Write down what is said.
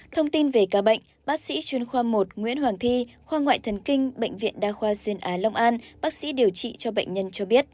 thông tin về ca bệnh bác sĩ chuyên khoa một nguyễn hoàng thi khoa ngoại thần kinh bệnh viện đa khoa duyên á long an bác sĩ điều trị cho bệnh nhân cho biết